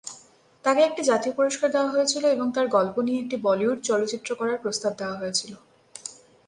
তাকে একটি জাতীয় পুরস্কার দেওয়া হয়েছিল এবং তাঁর গল্প নিয়ে একটি বলিউড চলচ্চিত্র করার প্রস্তাব দেওয়া হয়েছিল।